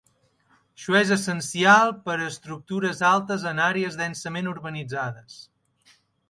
Això és essencial per a estructures altes en àrees densament urbanitzades.